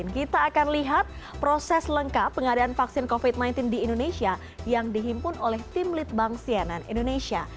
kita akan lihat proses lengkap pengadaan vaksin covid sembilan belas di indonesia yang dihimpun oleh tim litbang sianan indonesia